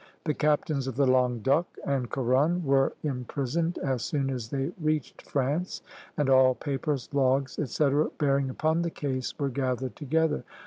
The captains of the "Languedoc" and "Couronne" were imprisoned as soon as they reached France, and all papers, logs, etc., bearing upon the case were gathered together.